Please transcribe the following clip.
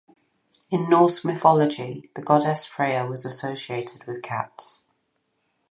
In Norse mythology, the goddess Freyja was associated with cats.